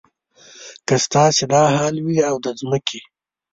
که ستاسې دا حال وي او د ځمکې.